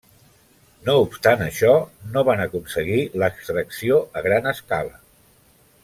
No obstant això, no van aconseguir l'extracció a gran escala.